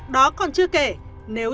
đó còn chưa kể nếu